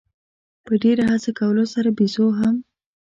په ډېره هڅه کولو سره بېزو هم.